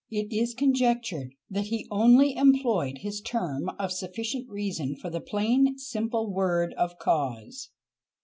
It is conjectured that he only employed his term of sufficient reason for the plain simple word of cause.